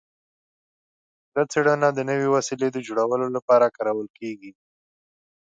دا څیړنه د نوې وسیلې د جوړولو لپاره کارول کیږي.